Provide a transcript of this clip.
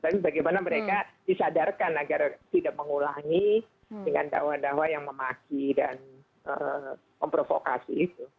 tapi bagaimana mereka disadarkan agar tidak mengulangi dengan dakwa dakwa yang memaki dan memprovokasi